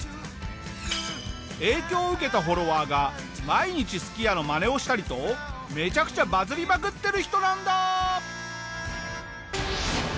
影響を受けたフォロワーが毎日すき家のマネをしたりとめちゃくちゃバズりまくってる人なんだ！